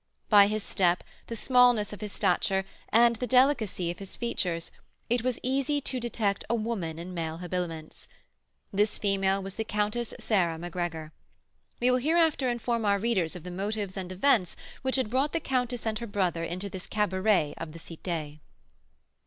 By his step, the smallness of his stature, and the delicacy of his features, it was easy to detect a woman in male habiliments. This female was the Countess Sarah Macgregor. We will hereafter inform our readers of the motives and events which had brought the countess and her brother into this cabaret of the Cité.